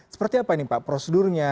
seperti apa ini pak prosedurnya